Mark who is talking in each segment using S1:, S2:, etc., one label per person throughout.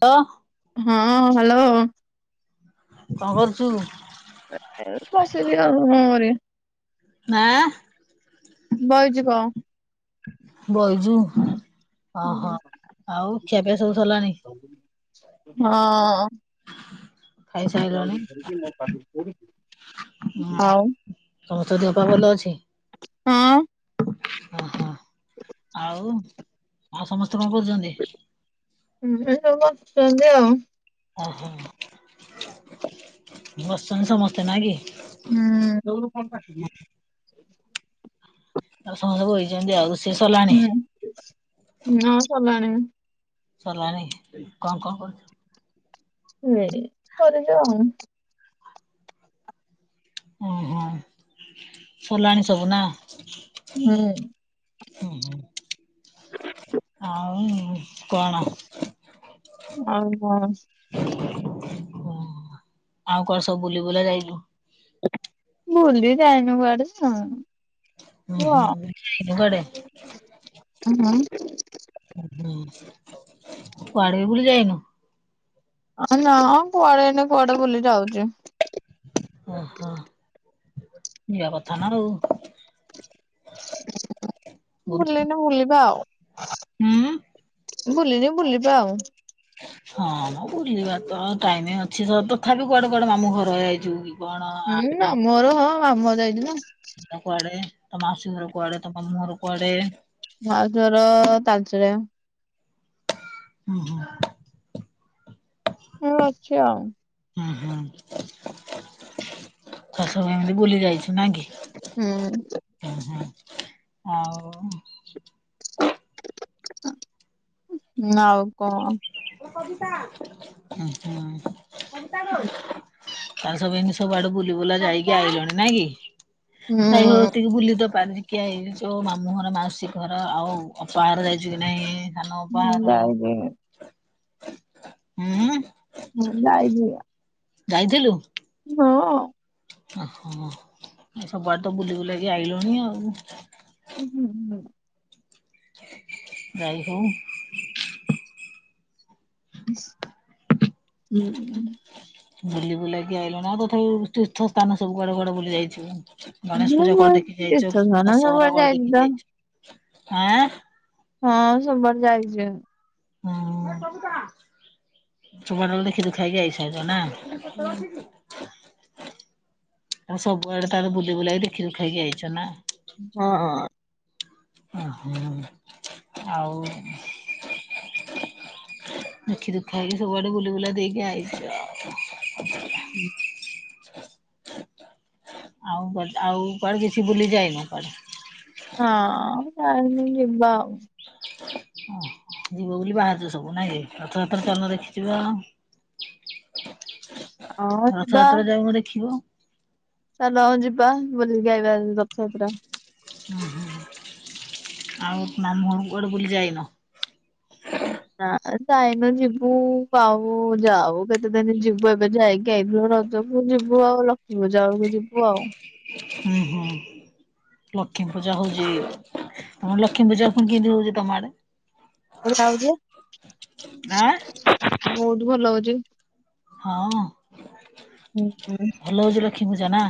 S1: ଅ
S2: ହଁ ହ୍ୟାଲୋ।
S1: କଣ କରୁଛୁ?
S2: ବସିଲି ଆ ହଁରେ।
S1: ହାଁ
S2: ବଇଚି କଣ।
S1: ବଇଛୁ? ଓହୋ ଆଉ ଖିଆପିଆ ସବୁ ସରିଲାଣି?
S2: ହ ହଁ। ଆଉ
S1: ଖାଇସାରିଲଣି
S2: ଧରିକି ମୁଁ କାଲି ପି
S1: ହଁ ସମସ୍ତଙ୍କ ଦେହ ପା ଭଲ ଅଛି?
S2: ହଁ
S1: ଓହୋ ଆଉ ଆଉ ସମସ୍ତେ କଣ କରୁଛନ୍ତି?
S2: ହୁଁ ଏ ସବୁ ବସିଛନ୍ତି ଆଉ
S1: ଓହୋ ବସଛନ୍ତି ସମସ୍ତେ ନା କି?
S2: ହୁଁ।
S1: ଆଉ ସମସ୍ତେ ବଇଛନ୍ତି ଆଉ। ରୋଷେଇ ସରିଲାଣି
S2: ହୁଁ ହଁ ସରିଲାଣି।
S1: ସଲାଣି କଣ କଣ କରୁଛୁ?
S2: [unintelligible] ଆଉ
S1: ଓହୋ ସଲାଣି ସବୁ ନା?
S2: ହୁଁ।
S1: ହୁଁ। [unintelligible] କଣ?
S2: ଆଉ [unintelligible]
S1: ଆଉ କଣ ସବୁ ବୁଲି ବୁଲା ଯାଇଛୁ?
S2: ବୁଲି ଯାଇନୁ କୁଆଡେ। ହଁ
S1: ହୁଁ ହୁଁ କୁଆଡେ।
S2: [unintelligible]
S1: ହୁଁ କୁଆଡେ ବି ବୁଲି ଯାଇନୁ?
S2: ଆଁ ନା କୁଆଡେ ଏନେ କୁଆଡେ ବୁଲି ଯାଉଛି।
S1: ଓହୋ ଯିବା କଥା ନା ଆଉ। ବୁଲି
S2: ବୁଲିନି ବୁଲିବା ଆଉ।
S1: ହୁଁ।
S2: ବୁଲିିନି ବୁଲିବା ଆଉ।
S1: ହଁଁ ବୁଲିବା ତ ଟାଇମ ଅଛି ତଥାପି କୁଆଡେ କୁଆଡେ ମାମୁଁ ଘରଇ ଯାଇଥିବୁ କି କଣ? ଆ
S2: ହୁଁ ମାମୁଁ ଘର ହଁ ମାମୁଁ ଘର ଯାଇଛିନା।
S1: କୁଆଡେ ତୋ ମାଉସୀ ଘର କୁଆଡେ ତୋ ମାମୁଁ ଘର କୁଆଡେ?
S2: ମାଉସି ଘର ତାଲଚେରେ।
S1: ହଁ।
S2: ମୁଁ ଅଛି ଆଉ।
S1: ଶାଶୁ ଏମିତି ବୁଲି ଯାଇଛି ନାଇକି?
S2: ହୁଁ।
S1: [inaudible] ହଉ।
S2: ନା ଆଉ କଣ।
S1: [unintelligible] ତାହେଲେ ସବୁ ଏମି ସବୁ ଆଡେ ବୁଲି ବୁଲା ଯାଇକି ଆଇିଲଣି ନାଇ କି? ଯାଇ ହଉଟିକେ ବୁଲି ତ ପାରନି। କିଆ ଏ ଯେଉଁ ମାମୁଁ ଘର ମାଉସୀ ଘର ଅପାଘର ଯାଇଛି କି ନାହିଁ?
S2: [unintelligible]
S1: ହୁଁ।
S2: ହଁ ଯାଇଚି ପା।
S1: ଯାଇଥିଲୁ?
S2: ହଁ।
S1: ଓ ହୋ ସବୁଆଡେ ତ ବୁଲି ବୁଲାଇକ ଆଇଲୁଣିି ଆଉ।
S2: [unintelligible]
S1: [unintelligible]
S2: ହୁଁ।
S1: ବୁଲି ବୁଲାକି ଆଇଲୁ ଆଉ ତଥାପି ତୀର୍ଥ ସ୍ଥାନ ସବୁ କୁଆଡେ କୁଆଡେ ବୁଲି ଯାଇଚୁ?
S2: [unintelligible] ତୀର୍ଥ ସ୍ଥାନ ସବୁଆଡେ
S1: କୁଆଡେ ଦେଖି
S2: ଯାଇଥିଲ।
S1: ଯାଇଛୁ ଆଁ।
S2: ହଁ ସବୁଆଡେ ଯାଇଚି।
S1: ହୁଁ ସବୁଆଡେ ଦେଖି ଦୁଖାକି ଆଇସାଇ ନା?
S2: ହଁ।
S1: [unintelligible] ଆଉ ସବୁଆଡେ ତାର ବୁଲି ବୁଲାେଇକି ଦେଖି ଦୁଖାଇକି ଆଇଛ ନା?
S2: ହଁ ଅ।
S1: ଓ ହଁ ଆଉ [inaudible] ଦେଖି ଦୁଃଖା କି ସବୁଆଡେ ବୁଲି ବୁଲା ଦେଇକି ଆଇଲେ।
S2: [unintelligible]
S1: ଆଉ ଆଉ କୁଆଡେ କିଛି ବୁଲିଯାଇନୁ କୁଆଡେ?
S2: ହଁ ଯାଇନି ଯିବା ଆଉ।
S1: [unintelligible] ଯିବ ବୋଲି ବାହାରିଛ ସବୁ ନାଇଁ, ରଥଯାତ୍ରା ଚାଲୁନ ଦେଖିଯିବ?
S2: ଆଉ ହଁ ଯିବା
S1: ରଥଯାତ୍ରା ଯାଉନ ଦେଖିବ।
S2: ଚାଲ ଆଉ ଯିବା ବୁଲିକି ଆଇବା ରଥଯାତ୍ରା।
S1: ଆଉ ମାମୁଁ ଘରଆଡେ ବୁଲି ଯାଇନ?
S2: ନା ଯାଇନୁ ଯିବୁ କାଉ ଯାଉ କେତେ ଦିନ ଯିବୁ ଏବେ ଯାଇକି ଆଇଥିଲୁ ର ଯଦି ଯିବୁ ଆଉ ଲକ୍ଷ୍ମୀ ପୂଜା ବେଳକୁ ଯିବୁ ଆଉ।
S1: ହୁଁ ହୁଁ ଲକ୍ଷ୍ମୀ ପୂଜା ହେଉଛି। ତମର ଲକ୍ଷ୍ମୀ ପୂଜା ପୁଣି କିମିତି ହଉଛି ତମଆଡେ? ଆଁ
S2: [unintelligible] ବହୁତ ଭଲ ହଉଛି।
S1: ହଁ!
S2: ହୁଁ।
S1: ଭଲ ହଉଛି ଲକ୍ଷ୍ମୀ ପୂଜା ନା?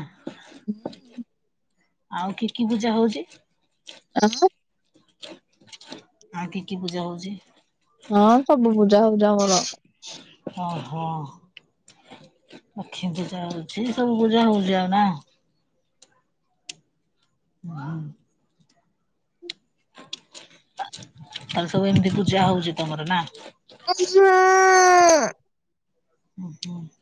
S2: [inaudible]
S1: ଆଉ କି-କି ପୂଜା ହଉଛି?
S2: [unintelligible]
S1: ଆଉ କି କି ପୂଜା ହଉଛି?
S2: ହଁ ସବୁ ପୂଜା ହୁଜା ଆମର।
S1: ହଁ ହଁ। ଲଖିମ୍ ପୂଜା ହଉଛି ସବୁ ପୂଜା ହଉଛି ଆଉ ନା? [inaudible] ତାହେଲେ ସବୁ ଏମିତି ପୂଜା ହଉଛି ତମର ନା?
S2: [unintelligible]
S1: [inaudible]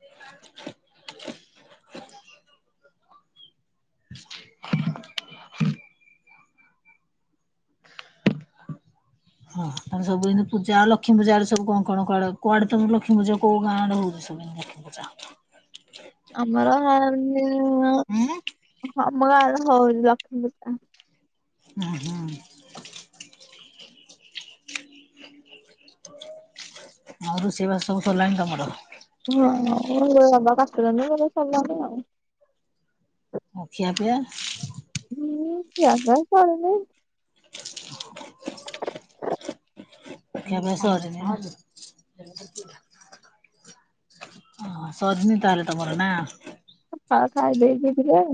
S1: ହଁ ତମେ ସବୁଦିନେ ପୂଜା ଲକ୍ଷ୍ମୀପୂଜା ଆଡେ ସବୁ କଣ-କଣ କୁଆଡ କୁଆଡେ ତମ ଲକ୍ଷ୍ମୀପୂଜା କୋଉ ଗାଁ ଆଡ଼େ ହଉଚି ସବୁ? [unintelligible]
S2: ଆମର [unintelligible]
S1: ହୁଁ
S2: ହଁ ଆମ ଗାଁରେ ହଉଚି ଲକ୍ଷ୍ମୀ ପୂଜା।
S1: ହୁଁ-ହୁଁ। ଆଉ ରୋଷେଇବାସ ସବୁ ସରିଲାଣି ତମର?
S2: ହଁ [unintelligible] ବୋଧେ ସରିଲାଣି ଆଉ।
S1: ଆଉ ଖିଆ ପିଆ?
S2: ହଁ ଖିଆ ପିଆ ସରିନି। [unintelligible]
S1: ଖିଆ ପିଆ ସରିନି [unintelligible] ସରିନି ତାହେଲେ ତମର ନାଁ?
S2: ହ ଖାଇଦେଇଚୁ ଟିକେ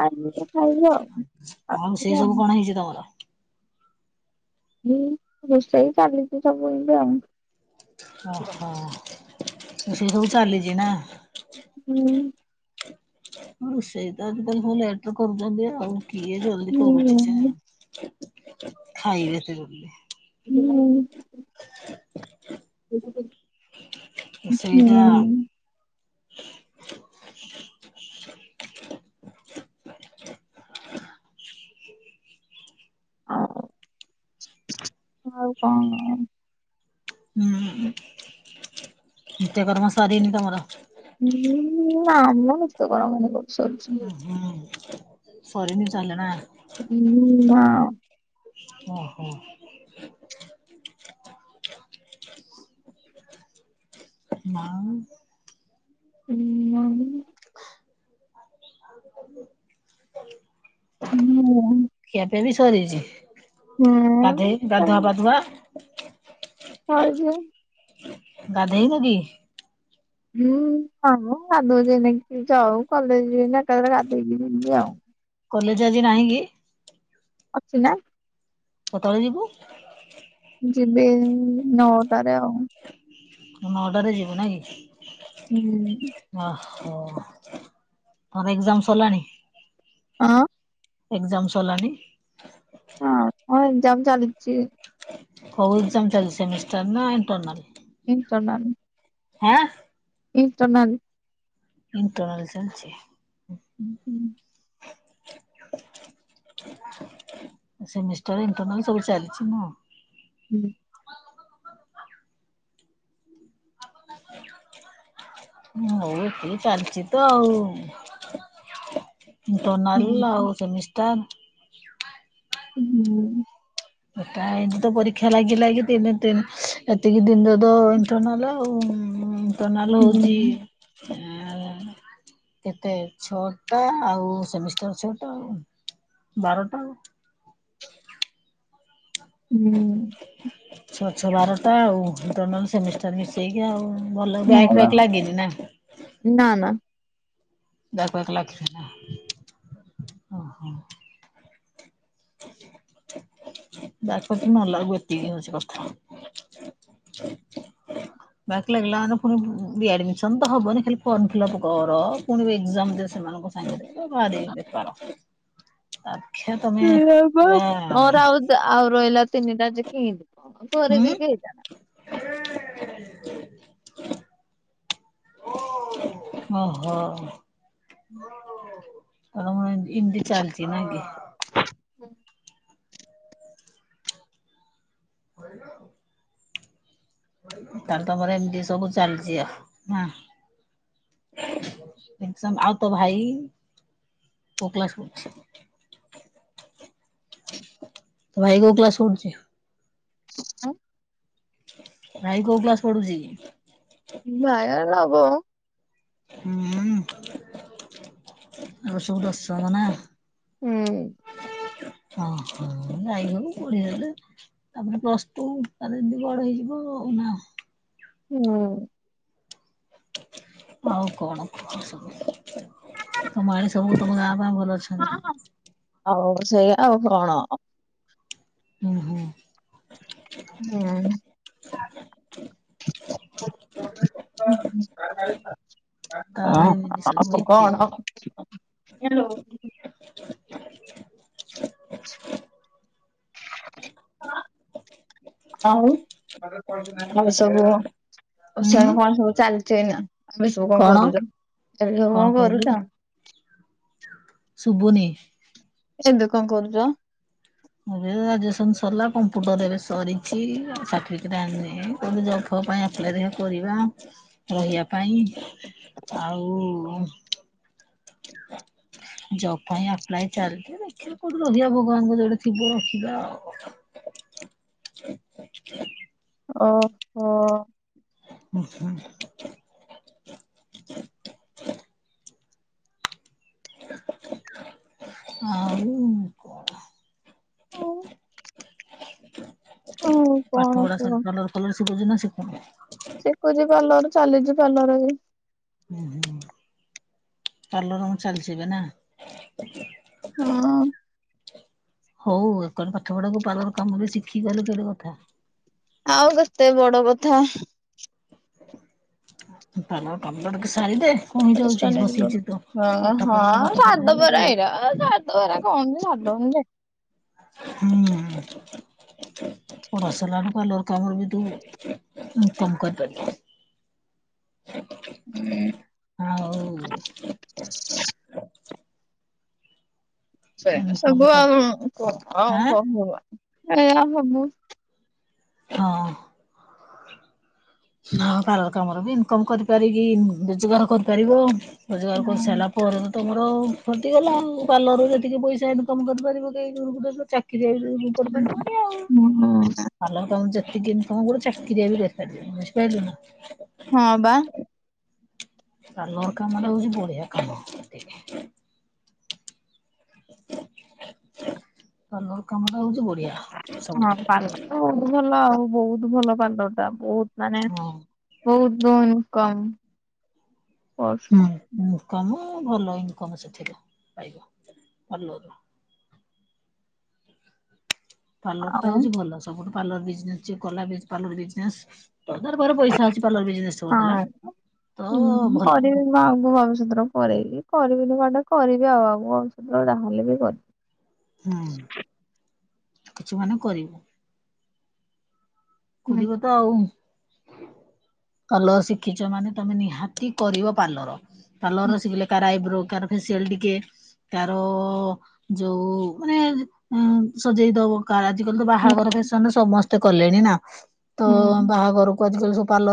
S2: [unintelligible] ଖାଇବୁ ଆଉ।
S1: ଆଉ ସେଇ ସବୁ କଣ ହେଇଛି ତମର?
S2: ହୁଁ ରୋଷେଇ ଚାଲିଛି ସବୁ ଏବେ ଆଉ।
S1: ଓହୋ ରୋଷେଇ ସବୁ ଚାଲିଛି ନା?
S2: ହୁଁ।
S1: ହଁ ରୋଷେଇ ତ ଆଜିକାଲି ସବୁ ଲେଟରେ କରୁଛନ୍ତି ଆଉ କିଏ ଜଲଦି
S2: ହୁଁ
S1: କରୁଛି ଯେ। ଖାଇବେ ଯେ
S2: ହୁଁ।
S1: [inaudible] ରୋଷେଇଟା
S2: ହୁଁ। ଆଉ-ଆଉ କଣ?
S1: ହୁଁ ନିତ୍ୟକର୍ମ ସରିନି ତମର?
S2: ନା [unintelligible]
S1: ହଁ-ହୁଁ ସରିନି ତାହେଲେ ନା?
S2: ହୁଁ-ନା।
S1: ଓହୋ। ନାଁ।
S2: ହୁଁ
S1: [inaudible]
S2: ହୁଁ।
S1: ଖିଆ ପିଆ ବି ସରିଛି ଗାଧେଇ ଗାଧୁଆ ପାଧୁଆ?
S2: ସରିଛି।
S1: ଗାଧେଇନୁ କି?
S2: ହୁଁ ହଁ ଗାଧୁ ଯକି ଯଉ କଲେଜ ଯିବ ଏକାଥ ଗାଧୋଇକି ଯି ଆଉ
S1: କଲେଜ ଆଜି ନାହିଁ କି?
S2: ଅଛି ନା
S1: କତେବେଳେ ଯିବୁ?
S2: ଯିବି ଏଇ ନଅଟାରେ ଆଉ
S1: ନଅଟା ରେ ଯିବୁ ନା କି?
S2: ହୁଁ
S1: ଓହୋ ତମର ଏକଯାମ ସରିଲାଣି?
S2: ହଁ
S1: ଏକଯାମ ସରିଲାଣି କି?
S2: ହଁ ହଁ ଏକ୍ଜାମ ଚାଲିଚି।
S1: ହଉ ଏକ୍ଜାାମ ଚାଲି ସେମିଷ୍ଟର ନା ଏଣ୍ଟରନାଲ୍‌?
S2: ଇଣ୍ଟରନାଲ।
S1: ଆଁ।
S2: ଇଣ୍ଟରନାଲ।
S1: ଇଣ୍ଟରନାଲ ଚାଲିଛି।
S2: ହୁଁ।
S1: [unintelligible] ସେମିଷ୍ଟର ଇଣ୍ଟରନାଲ ସବୁ ଚାଲିଛି ନୂଅ।
S2: ହୁଁ
S1: ହଉ ଏମିତିି ଚାଲିଛି ତ ଆଉ ଇଣ୍ଟରନାଲ ଆଉ ସେମିଷ୍ଟାର।
S2: ହୁଁ ହୁଁ।
S1: ଏଟା ଏଇତି ତ ପରୀକ୍ଷା ଲାଗିଲଗିକ ତିନିତି ଏତିକି ଦିନରେ ତ ଇଣ୍ଟରନାଲ। ଆଉ ଇଣ୍ଟରନାଲ
S2: ହୁଁ
S1: ହଉଚି କେତେ ଛଅ ଟା ଆଉ ସେମିଷ୍ଟାର ଛଅଟା ବାରଟା।
S2: ହୁଁ।
S1: ଛଅ ଛଅ ବାରଟା ଆଉ ଇଣ୍ଟରନାଲ ସେମିଷ୍ଠି ମିଶେଇକି ଆଉ ଭଲ ବ୍ୟାକ୍
S2: ହଉ
S1: ଫ୍ୟାକ୍
S2: ଆଉ।
S1: ଲାଗନି ନା।
S2: ନା ନା।
S1: [unintelligible] ଓହୋ ଯକପତି ନଲାକୁ ଏତିକି ହଉଛି କଥା ବ୍ୟାକ୍ ଲାଗିଲା ପୁଣି ରିଆଡମିସନ ତ ହବନି ଖାଲି ଫର୍ମ ଫିଲପ କର ପୁଣି ଏଜାମ ଦ ସେମାନ ସାଙ୍ଗ ବାହାର ବେପାର ଆଚ୍ଛ୍ଵା ତମେ
S2: ଶୋଇବା ବା
S1: ପୁରା
S2: ମୋର ଆଉ ଆଉ ରଇଲା ତିନିଟା ଜିପି ଘରେ ଟିକେ ହେଇଥାନ୍ତା।
S1: ହଁ। ଓ ହୋ।
S2: ହୁଁ।
S1: ଆଉ ଏଇନ୍ତି ଏମିତି ଚାଲିଚି ନାଇଁକି
S2: ହୁଁ।
S1: ହେଇ ଲୋ। ତାଙ୍କପରେ ଏମିତି ସବୁ ଚାଲିଚି ଆଉ ହଁ। ଏକ୍ଜାମ ଆଉ ତୋ ଭାଇ କୋଉ କ୍ଲାସ ପଢୁଛି। ତୋଭାଇ କୋଉ କ୍ଲାସ ପଢୁଚି।
S2: ହଁ [unintelligible]
S1: ଭାଇ କୋଉ କ୍ଲାସ ପଡୁଚି?
S2: ଭାଇ ର ନଵମ।
S1: ହୁଁ ଆଉ ସବୁ ଦଶମ ନା।
S2: ହୁଁ।
S1: ହ ହ ନାଇମ କୋଡ଼ିଏ ହଜାର। ତାପରେ ପ୍ଲସ ଟୁ ତାଲେ ଏମିତି ବଡ ହେଇଯିବ ଆଉ ନା।
S2: ହୁଁ।
S1: ଆଉ କଣ କୁହାସବୁ ତମଆଡେ ସବୁ ତମ ଗାଁ ଫାଁ ଭଲ ଅଛନ୍ତି?
S2: ହଉ ସେଇଆ ଆଉ କଣ।
S1: ହୁଁ ହୁଁ।
S2: ଜିଆ ନେ
S1: ତାହେଲେ ଏମିତି
S2: ହ ଆ
S1: ସବୁ ହେଇଛି
S2: କଣ
S1: ଆଉ।
S2: ହେଲୋ ଆଉ ଆଉ ସବୁ
S1: ହୁଁ
S2: ସିଆଡେ କଣ ସବୁ ଚାଲ [unintelligible] ସବୁ କଣ କରୁଛ ଏବେ ସବୁ କଣ କରୁଛ?
S1: ସୁବୁନି।
S2: ଏବେ କଣ କରୁଛ?
S1: ଏ ଗ୍ରାଜୁଏସନ ସରିଲା କମ୍ପୁଟର ଏଇନେ ସରିଛି ସାର୍ଟିଫିକେଟ ଆଣିଲେ କୋଉଠି ଜ ବ ପାଇଁ ଆପ୍ଲାଏ ଦେଖିଆ କରିବା ରହିବା ପାଇଁ ଆଉ। ଜବ ପାଇଁ ଆପ୍ଲାଏ ଚାଲିଛି ଦେଖିଆ କୋଉଠି ରହିବା ଭଗବାନଙ୍କ ଯୋଉଟେ ଥିବ ରହିବା ଆଉ।
S2: ଓ ହୋ।
S1: ହ ହ ଆଉ।
S2: ହଉ
S1: ପାଠ
S2: କଣ
S1: ପଢା
S2: କୁହ
S1: କଲର ଫଲର ଶିଖୁଛି ନା ଶିଖୁନି?
S2: ଶିଖୁଛି ପାର୍ଲର ଚାଲିଛି ପାର୍ଲର ବି।
S1: ହୁଁ ପାର୍ଲର ଚାଲିଛିି ଏବେ ନା।
S2: ହଁ।
S1: ହଉ ଏକରେ ପାଠ ପଢାକୁ ପାର୍ଲର କାମବି ଶିଖି ଗଲୁ କେଡେ କଥା।
S2: ଆଉ କେତେ ବଡ କଥା।
S1: ପାର୍ଲର କାମଡ ଟିକେ ସାରି ଦେ।
S2: ହଁ
S1: ପଢ
S2: ହଁ
S1: ପାଠ ପଢ ହେଲେ
S2: ସାରିଦବୁ
S1: କଲ
S2: ଏଇରା ଏଇରା। ଏରା କଣ ଯେ ସାରିଦବ [unintelligible]
S1: ହୁଁ। ପଢା ସାଲଢୁ ପାର୍ଲର କାମବି ତୁ ଇନକମ କରିପାରିବୁ।
S2: ହୁଁ।
S1: ଆଉ।
S2: ସେଇତ
S1: ଇନକମ
S2: ସବୁ ଆଉ
S1: କରି
S2: କଣ ଆଉ
S1: ଆଁ
S2: ଭାଗବାନ ହେଇୟା ହବୁ।
S1: ହଁ। ଧ କାର କାମରେ ବି ଇନକମ କରିପାରିଗି ରୋଜଗାର କରିପାରିବ। ରୋଜଗାର କରିସାଇଲା ପରେ ତ ତମର। ଫଟିଗଲା ଆଉ ପାର୍ଲରରୁ ଯେତିକି ପଇସା ଇନକମ୍ କରିପାରିବ କେହି ଯଉ ଗୋଟେ ଚା କିରି ଏଇ କରିପାରିବନି ଆଉ
S2: ହୁଁ ହୁଁ।
S1: ପାର୍ଲର କାମ ଯେତିକି ତମକୁ ଗୋଟେ ଚାକିରିଆ ବି [unintelligible] ବୁଝିପାରିଲୁ ନା।
S2: ହଁ ବା।
S1: ପାର୍ଲର କାମଟା ହଉଛି ବଢିଆ କାମ। ପାର୍ଲର କାମ ଟା ହଉଛି ବଢିଆ।
S2: ହଁ ପାଲ ତ ବହୁତ ଭଲ ଆଉ ବହୁତ ଭଲ ପାର୍ଲର ଟା ବହୁତ ମାନେ। ବହୁତ ଦନ କମ୍ ବର୍ଷ
S1: ହୁଁ ଇନକମ ଭଲ ଇନକମ ସେଥିରୁ ପାଇବ ଭଲ। ପାର୍ଲର ଟା
S2: ଆଉ
S1: ହଉଛି ଭଲ ସବୁଠୁ ପାର୍ଲର ବିଜନେସ୍ ଯିଏ କଲା ପାର୍ଲର ବିଜନେସ୍। ଧର କାର ପଇସା ଅଛି ପାର୍ଲର ବିଜନେସ କରିଦେଲା
S2: ହଁ।
S1: ତ
S2: ହୁଁ
S1: ଭଲ।
S2: କରିବି ମୁଁ ଆଗକୁ ଭବିଷ୍ୟତରେ କରିବି କରିବିନି ଖଣ୍ଡେ କରିବି ଆଉ ଭବିଷ୍ୟତରେ ଯାହା ହେଲେ ବି କରିବି।
S1: ହୁଁ, କିଛି ମାନେ କରିବୁ।
S2: ହୁଁ।
S1: କରିବ ତ ଆଉ। ପାର୍ଲର ଶିଖିଛ ମାନେ ତମେ ନିହାତି କରିବ ପାର୍ଲର
S2: ହୁଁ
S1: ପାର୍ଲର ଶିଖିଲେ କାର ଆଇବ୍ରୋ କାର ଫେସିଆଲ ଟିକେ କାର ଯୋଉ ମାନେ ସଜେଇଦବ। ଆଜ କାଲି ତ
S2: ହୁଁ।
S1: ବାହାଘର ଫେସନ ସମସ୍ତେ କଲେଣି ନା ତ
S2: ହୁଁ।
S1: ବାହାଘରକୁ ଆଯି କାଲି ସବୁ ପାଲ